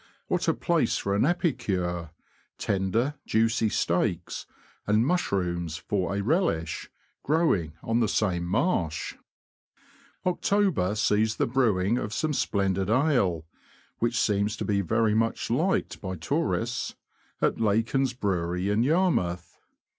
What a place for an epicure : tender, juicy steaks, and mushrooms for a relish, grow ing on the same marsh ! October sees the brewing of some splendid ale THE BROAD DISTRICT IN AUTUMN. 229 (which seems to be very much liked by tourists) at Lacon's brewery, in Yarmouth.